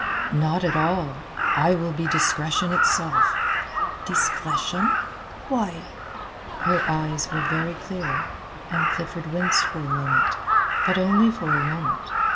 "Not at all, I will be discretion itself." "Discretion why?" Her eyes were very clear, and Clifford winced for a moment, but only for a moment.